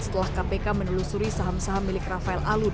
setelah kpk menelusuri saham saham milik rafael alun